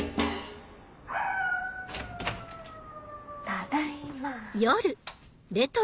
ただいま。